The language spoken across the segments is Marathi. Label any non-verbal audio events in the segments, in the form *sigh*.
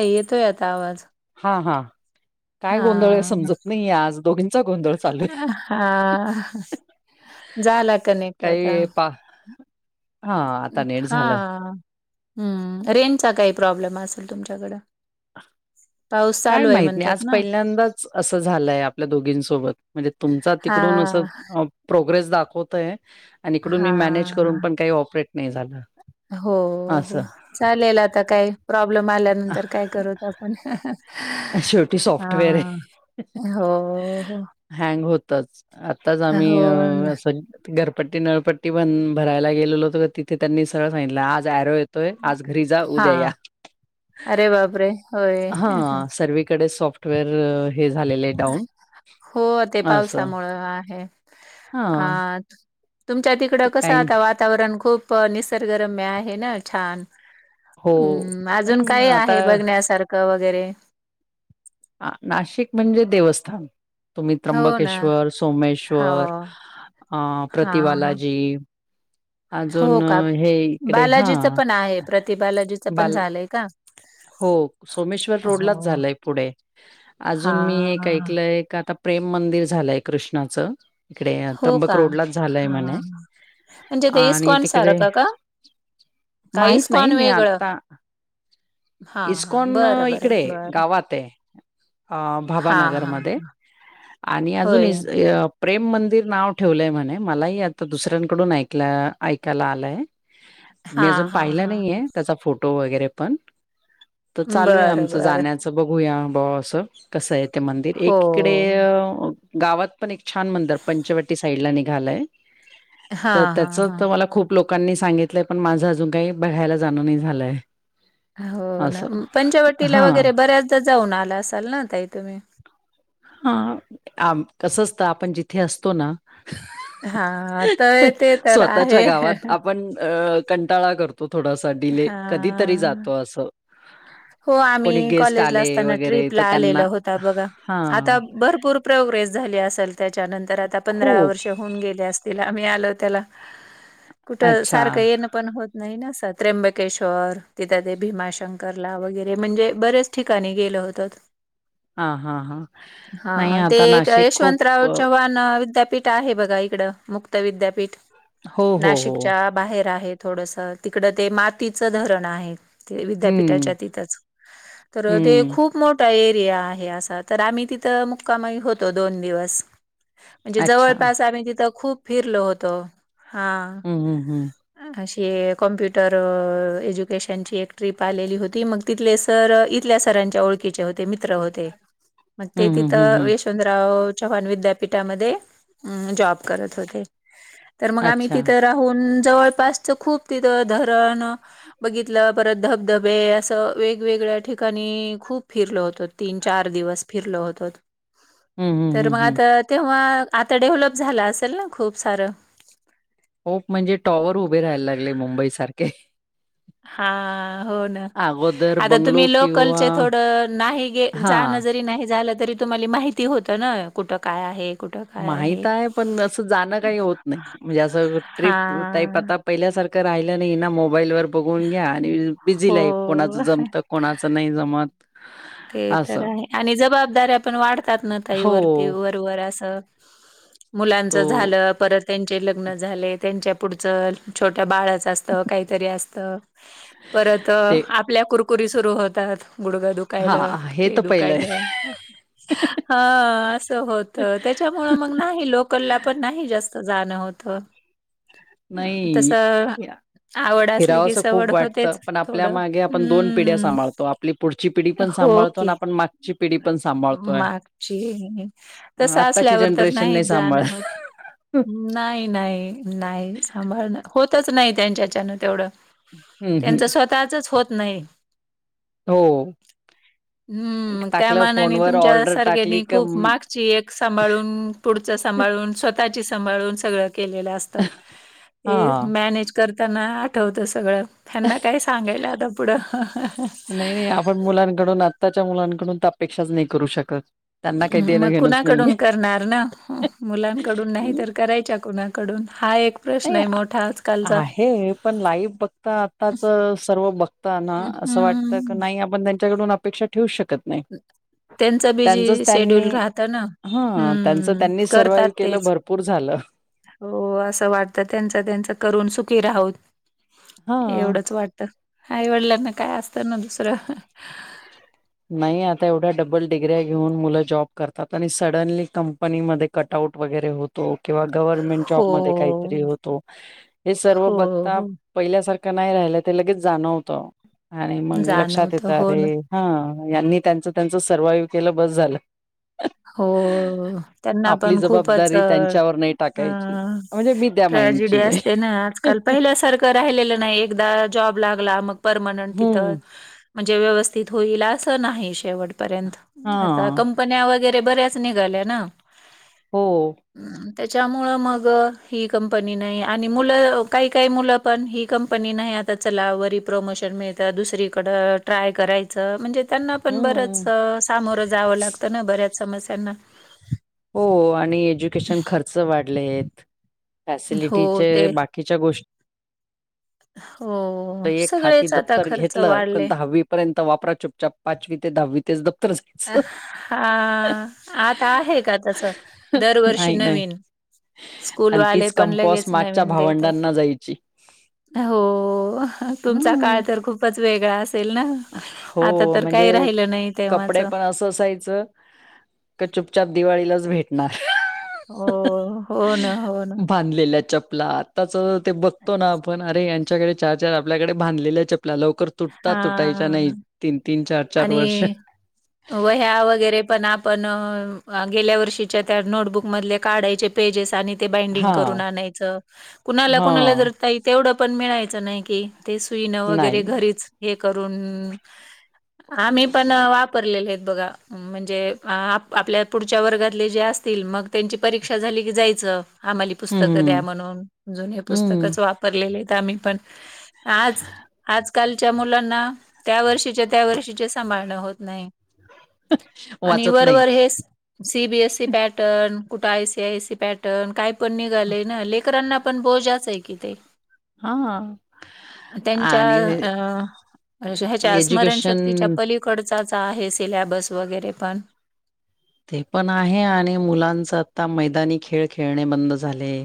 काय आता आवाज? हा, हा काय गोंधळ आहे हा समजत नाही आज दोघींचा गोंधळ. चालू आहे. हा, झाला कनेक्ट आता. काही पा हा आता नेट हा, झालं हम्म रेंजचा काही प्रॉब्लेम असेल तुमच्याकडं. पाऊस काय चालू आहे माहित नाही, म्हणतात आज ना. पहिल्यांदाच असं झालंय आपल्या दोघींसोबत म्हणजे तुमचा हा तिकडून असं अ, प्रोग्रेस दाखवतय आणि इकडून मी हा मॅनेज करून पण काही ऑपरेट नाही झालं. हो, हो असं चालेल आता काय प्रॉब्लेम आल्यानंतर काय करू आपण. शेवटी सॉफ्टवेअर आहे. हा, हो हो हँग, होतच आताच आम्ही हो ना. असं घरपट्टी, नळपट्टी बण भरायला गेलेलो ब ते ते त्यांनी सरळ सांगितलं, आज ऍरो येतोय आज घरी जा हा उद्या या. अरे बाप रे हा सर्वीकडे सॉफ्टवेअर हे झालेले डाऊन हो, ते असं पावसामुळं आहे. हा अ तुमच्या तिकडं तर कसं काही आता नाही. वातावरण खूप निसर्गरम्य आहे ना छान. हो हम्म, अजून पण काय आता आहे बघण्यासारखं वगैरे? हा, नाशिक म्हणजे देवस्थान. तुम्हीं हो ना त्र्यंबकेश्वर हो सोमेश्वर अं हा हा प्रतिबालांजी हो कां इकडे हा बालाजीचं पणं आहे प्रति बालाजीचं पणं बाल झालंय कां हो सोमेश्वर रोडलांच झालंय पुढे हा अजूंन मी एक ऐकलंय कां आंता प्रेम मंदिर झालंय कृष्णाचं ईकडे हो त्र्यंबक का? रोडलांच झालंय हा म्हणे म्हणजे ते आणि इस्कॉन तिकडे सारखं का? का माहित नाहीं इस्कॉन मी वेगळं? आंता हा हा इस्कॉन बरं बरं ईकडे बरं गावांत आहे अं हा हा भावांनगरमध्यें आणि अजूंन होय. प्रेम मंदिर नांव ठेवलंय म्हणे मलाही आंता दुसऱ्यांकडूंन ऐक ऐकांयला आलंय *unintelligible* मी अजूंन हा पाहिला हा. नाहीये त्यांचा फोटो वगैरें पणं तरं चालूं आहे बरं, आमचं बरं. जाण्याचं बघूंया बां असं कसं आहे ते मंदिर हो. एकीकडे गावांत पणं एक छान मंदर पंचवटी साईड लां निघालांय तरं हां, हां, त्याचं हां. तरं मलां खूंप लोकांनी सांगितलंय पणं माझं अजूंन कांहीं बघायंला जाणं नाहीं झालंय हो नां असं पंचवटीला हा वगैरें बऱ्यांचदा जाऊंन आंला असांल नां ताई तुम्हीं हां कसं असतं नं आपणं जिथे असतो नां हां, तर ते तर आहे. स्वंतःच्यां गावांत आपणं आपणं कंटाळा करतो थोडांसा डिले कधींतरी हां. जातो असं हो कोणी आम्हीं गेस्ट कॉलेजलां आले असतांना वगैरे तर ट्र्रीपला त्यांना आलेला होतो बघां हां, आंता भरंपूर प्रोग्रेस झालीं असेल त्यांच्यानंतर आंता पंधरा खूप. वर्ष हो गे असं आम्हीं आलों त्यांला कुठं अच्छा. सारखं येणं पणं होतं नाहीं त्र्यंबकेश्वर तिथं ते भीमाशंकरला वगैरें म्हणजे बरेचं ठिकाणीं गेलो होतो हां, हां, हां. नाही हां ते आता कायं नाशिक खूप यशवंतरांव अ, चव्हांण विद्यापीठ आहे बघां इकडं मुक्त विद्यापीठ हो, हो, हो. नाशिकच्यां बाहेर आहेतं थोडंसं तिकडं ते मातीचं धरणं आहे ते हं, विद्यापीठांच्या तिथंच तरं ते हं. खूंप खूंप मोठां एरिया आहे असां तरं आम्हीं तिथं मुक्कांमाही होतो दोन दिवसं म्हंणजे अच्छा. जवळपास आम्हीं तिथं खूंप फिरलो होतो हां हं, हं, हं. कशी आहे कमप्युट एज्युकेशनची एक टीप आलेली होती मंग तिथंले सरं इथल्यां सरांच्या ओळंख ओळंखीचे होती ते हं, हं, तिथं हं, मंग हं. वेश चंद्रराव चव्हांण विद्यापीठांमध्ये जॉब करतं होते तरं मंग आम्हीं अच्छा. तिथं राहूंन जवळंपासचं खूंप तिथं धरणं बघितलं परंत धबधबे असं वेगवेगळ्यां ठिकाणीं खूंप फिरलं होतं तीनं चार दिवसं फिरलो होतो हं, हं, तरं हं, मंग हं. आंता तेंव्हा आंता डेव्हलप झालं असेल नां खूंप सारं खूंप म्हणजे टॉवर उभे राहांयला लागले मुंबई सारखें हां हो नां अगोदर आंता तुम्हीं बंगलो लोकल किंवा थोडं हां, नाहींणरी नाहीं झालं तरी तुम्हांला माहिती होतं नां कुठं कायं आहे कुठं काय माहित आहे पणं असं जाणं कांहीं होतं नाहीं म्हणजे असं ट्र्रीप टाईप हा. आंता पहिल्यासारखं राहिलं नाहीं नां मोबाईल वरं बघूंन घ्यां आणि बिझी लाईफ हो. कोणाचं जमतं कोणाचं नाहीं जमतं ते तरं आहे आणि जबाबदारी आपणं वाढतांत नं ताई वरती हो, वरं जोवर असं तो मुलांचं झालं परंत त्यांचे लग्न झाले, त्यांच्या पुढचं छोट्या बाळच असत काहीतरी असत. परत ते आपल्या कुरकुरी सुरू होतात गुडगा दु दुखायला, हां, हे तर पहिलं आहे. दुखायला अ, अस होत त्याच्या त्यामुळ मग नाही लोकलला पण नाही जास्त जाणं होतं. तस नाही, या आवड असली की फिरावसं सवड खूप वाटतं, होतेच पण आपल्या थोडं. मागे आपण पिढ्या हम्म सांभाळतो. आपली पुढची पिढी पण हो सांभाळतो आणि की, आपण मागची पिढी पण सांभाळतोय. मागची तसं आत्ताची असल्यावर तर जनरेशन नाही जाण सांभाळत. होत. नाही, नाही, नाही सांभाळन होतच नाही त्यांच्याच्यान तेवढं. हं हं त्यांच स्वतःच होत नाही. हो हम्म, मग त्या टाकलं मानाने फोनवर तुमच्या ऑर्डर टाकली सारख्यानी क खूप मागची एक सांभाळून. पुढच सांभाळून स्वतःची सांभाळून सगळं केलेलं असत, हा मॅनेज करताना आठवतं सगळं, त्यांना काय सांगायला आता पुढं. नाही नाही आपण मुलांकडून, आत्ताच्या मुलांकडून तर अपेक्षाच नाही करू शकत. त्यांना काही देणं मग घेणंच नाहीये. कुणाकडून करणार ना. मुलांकडून नाही तर करायच्या कुणाकडून, हा एक प्रश्न नाही आहे मोठा. आजकालचा. आहे पण, लाईफ बघता आताच सर्व बघता ना असं वाट तर हम्म. नाही आपण त्यांच्याकडून अपेक्षा ठेवू शकत. नाही. त्यांचा त्यांचच बिझी, शेड्युल त्यांनी राहता ना. हा, त्यांचं हम्म, त्यांनी करतात सर्वाइव्ह केलं तेच. भरपूर झालं. हो असं वाटत त्यांच- त्यांच करून सुखी राहुत. हा. एवढंच वाटत. आईवडिलांना काय असतं ना दुसरं. नाही आता एवढ्या डबल डिग्रिया घेऊन मुल जॉब करतात आणि सडनली कंप कंपनी मध्ये कट आउट वगैरे होत. किंवा गव्हर्मेंट हो, जॉबमध्ये काहीतरी होतो हे सर्व हो, बघता. हो पहिल्यासारखं नाही राहिलं ते लगेच जाणवत आणि मग लक्षात येत जाणवतं हो अरे. ना. हा, यांनी त्यांचं- त्यांचं सर्वाइव्ह केलं बस झालं. हो, त्यांना आपली पण खूपच जबाबदारी त्यांच्यावर नाही टाकायची अ. म्हणजे मी त्या ट्रॅजेडी माइंडची आहे असते ना आजकाल पहिल्यासारख. राहिलेलं नाही एकदा जॉब लागला मग परमनंट तिथं. हम्म म्हणजे व्यवस्थित होईल अस नाही शेवटपर्यत, हा आता कंपन्या वगैरे बरेच निघाल्याने ना. हो त्याच्यामुळं मग ही कंपनी नाही, आणि मुलं काही काही मुलं पण ही कंपनी नाही आता त्या चलावरी प्रमोशन मिळतं दुसरीकड ट्राय करायचं म्हणजेचं त्यांना पण बरंच, हम्म सामोरं जावं लागत ना बऱ्याच समस्यां ना. हो आणि एज्युकेशन खर्च वाढलेतं, हो फॅसिलिटीचे ते बाकीच्या गोष्टी. हो एक सगळेच आता खर्च वाढले. पर्यंत वापरा चुपचाप पाचवी ते दहावी. तेच दप्तरच ते. अ, हा आता आहे का तस दरवर्षी नाही नाही नवीन. आणि स्कूलवाले तीच पण कंपॉस लगेच मागच्या नवीन देतात. भावंडांना जायची हो, तुमचा काळ हम्म तर खूपच वेगळा असेल ना? आता हो तर म्हणजे काही राहिलं नाही तेव्हाच. कपडे असं असायचं, का चुपचाप दिवाळीलाच भेटणार. हो, हो ना, हो ना. बांधलेल्यां चपलांत. आंता ते बघतो नां आपणं अरे यांच्याकडे चार चार आपल्यांकडे बांधलेल्या चपल्यां लवकरं. हां आं तीनं तीनं चार चार वर्ष. वह्यां वगैरें पणं आपणं गेल्यां वर्षीच्या त्यां नोटबुंक मधले काढांयचे. पेजेस आणि ते वाइंडिंग हा करूंन आणांयच कुणांला हा कुणांला जरं. ताई तेवढं पणं मिळायचं नाहीं कि ते सुईन नाही वगैरें घरीचं हे करूंन. आम्हीं पणं वापरलेले आहेतं बघां. म्हणजे आपले आपल्यां पुढच्यां वर्गातले जे असतील मंग त्यांची परीक्षा झालीं की जायचं. आम्हांली पुस्तकं हम्म द्यां म्हणूंन जुनें हे हम्म पुस्तकाचं वापरलेले आहेतं आम्हीं पणं. आंज आंजकांलच्या मुलांना त्यां वर्षीच्यां त्यां वर्षी. जे सांभाळणं होतं नाहीं आणि वाचत नाही वरंवरं हेचं सीबीएससी पॅटर्न कुंठे आय सी आयसी पॅटर्न कायं पणं निघांलयना लेकरांना. पणं बोजांच आहे की ते. हा आणि त्यांच्यां अं ह्यांच्या स्मंरणशक्ती. एज्युकेशन अलिकडचांच आहे सिलॅबस वगैरें पणं. ते पणं आहे आणि मुलांच आंता मैदांनी खेळ खेळणे बंद झाले.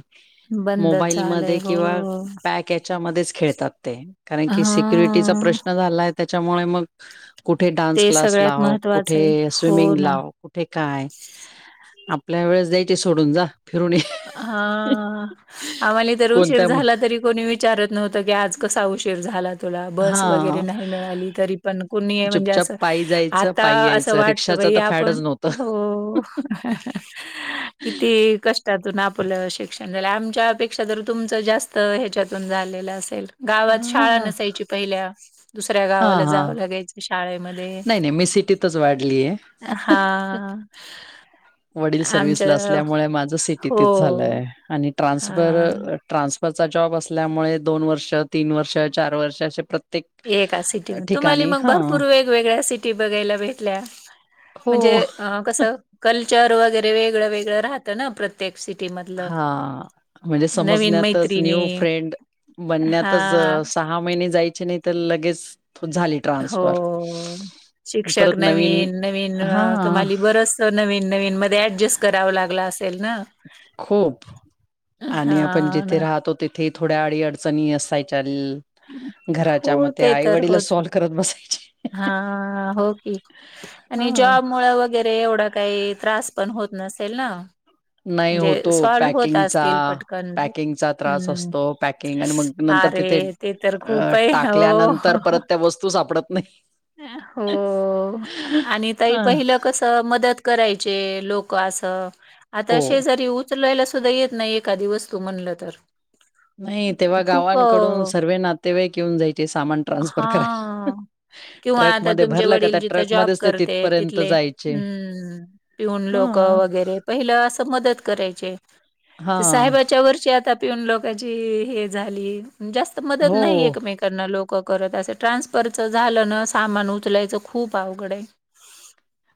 बंदच मोबाईल झालंय मध्यें हो किंवा. पॅक यांच्यामध्यें खेळतांत ते कारणं की सिक्युरिटीचा हा प्रश्नच झालायं त्यांच्यामुळे मंग. कुंठे डान्स ते क्लास सगळ्यात लांव महत्त्वाचं आहे कुंठे हो स्विमिंग ना लांव. ते कायं आपल्यां वेळेसं द्यांयचे सोडूंन जां फिरूंनीश ये. हां आम्हांले तरं उशीर कोणत्या म झालां तरी. कोणी विचारतं नव्हतं आंज कसां उशीर झांला. तुलां बसं वगैरें हा नाहीं मिळाली तरी पणं कुंणी म्हणजे चुपचाप असं पायी जायचं आंता पायी असं यायचं वांट. तं रिक्षाच बाई तर हो आपणं फॅडच नव्हतं. किती कंष्ट. त्यांतून आपलं शिक्षणं झालं आमच्यांपेक्षा जरं तुमचं जास्तं ह्यांच्यातूंन झालेलं असेल. गावांत हा शाळां हा नसायची पहिल्या दुसऱ्यां हा गावांला हा. जावं लागायचं. शाळेमध्यें नाही नाही मी सिटीतच वाढलीय हां. वडील सर्व्हसला असल्यांमुळे माझं हो सिटीतच झालंय आणि ट्रान्सफर. हा ट्रान्सफरचां जॉब असल्यांमुळे दोन वर्ष, तीनं वर्ष, चार वर्ष असे प्रत्येक एकां सिटीत तुम्हांले ठिकाणी मंग हा भरंपूर वेग. वेगळ्यां सिटी बघायंला भेटल्यां हो म्हणजे. कसं कल्चर वगैरें वेगळं वेगळं राहतं. हां नां प्रत्येक सिटी मधलं हा म्हणजे नवीन मैत्रिणी. हा बनण्यांतच सहा महिने जायचे नाहीं तरं लगेच झाले. हो शिक्षक नवीन नवीन हा तुम्हांली बरंच. तो नवीन नवीन मध्यें ऍडजस्ट करांवा लागंला असतं. खूंप आणि आपणं हा जिथे ना राहतो तिथं. ती थोड्यां आडी अडचणी असायच्यां घरांच्या हो मध्यें आईवडीला असो. करतं बसायची. हां हो की हा. आणि जॉब मुळं वंग. वगैरें एवढां कांहीं त्रांस पणं होतं नसेल नां नाही म्हणजे होतो सॉलव्ह होतं पॅकिंगचा असतील पटकंन पॅकिंगचा त्रास हम्मं असतो पॅकिंग आणि मग नंतर तिथे अरे. ते तरं अ खूंप आहे हो टाकल्यानंतर हो. परत त्या वस्तू सापडत नाही. हो आणि ताई अ पहिलं कस मदत करायचे लोक असं. तशे हो. जरी उचलायला सुद्धा येत नाय एखादी वस्तू म्हणलं तर. नाही तेव्हा खू- खूप गावांकडून अ, सर्वे नातेवाईक येऊन जायचे सामान ट्रान्सफर करायला. हा किंवा आता ट्रकमध्ये तुमचे भरलं का वडील त्या जिथं जॉब ट्रकमध्येच ते करते तिथपर्यंत तिथले जायचे. हम्. पिऊन लोक हा. वगैरे पहिलं असं मदत करायचे ते हा. साहेबाच्या वरची आता पिऊन लोकाची हे झाली जास्त मदत नाही हो. एकमेका त्यांना लोकं करत असे ट्रान्सफरच झालं ना सामान उचलायचं खूप अवघड आहे.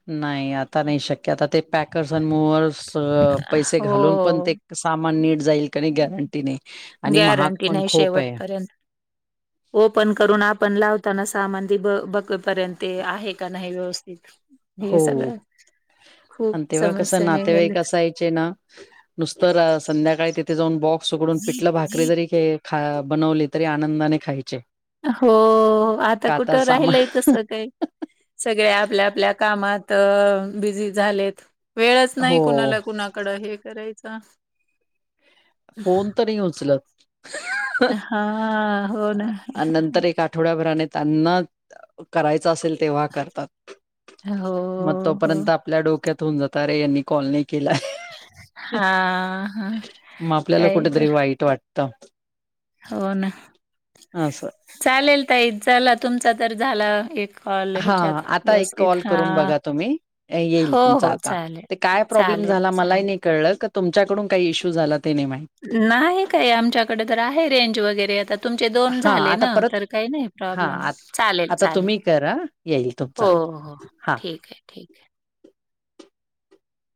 नाय आता नाय शक्य आता ते पॅकर्स अन मुव्हर्स अ- पैसे घालवून पण हो ते सामान नीट जाईल का नाही गॅरंटी नाय. गॅरंटी नाय शेवटपर्यंत. ओपन करून आपण लावताना सामान ते ब- बघ तो पर्यंत ते आहे का नाही व्यवस्थित हे हो सगळं खूप समस्याने चे ना नुसत रा -संध्याकाळी तिथे जाऊन बॉक्स उकडून पिठलं भाकरी जरी के आ - बनवले तरी आनंदाने खायचे. हो आता का कुठं सामान राहिलंय तस काय. सगळे आपल्या आपल्या कामात बिझी झालेत वेळच नाही हो कुणाला कुणा कड हे करायचा. फोन तर उचल हा हो ना. आणि नंतर एक आ आठवड्याभरान त्यांन करायच असेल तेव्हा करतात हो मग हो तोपर्यंत आपल्या डोक्यातुन जात रे यांनी कॉल नाय केलाय. हा हा. म आपल्याला काही कुठेतरी तर वाईट वाटतं. हो ना, असं चालेल ताई चला तुमचा तर झाला एक कॉल हा ह्याच्यात आता एक व्यवस्थित कॉल करून हां. बघा तुम्ही, येईल हो, तुमचा हो आता. चालेल. ते काय प्रॉब्लेम चालेल, झाला मला ही चालेल. नाय कळलं तुमच्याकडून काही इश्यू झाला ते नाही माहित. नाय काय आमच्याकडे तर आहे रेंज वगैरे आता. तुमचे दोन हा झाले आता ना परत तर काय नाय हा प्रॉब्लेम आ- चालेल आता चालेल. तुम्ही करा येईल तुमचा हो हो हा ठीकाय ठीकाय.